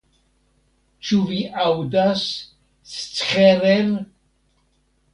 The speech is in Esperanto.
Ĉu vi aŭdas, Scherer?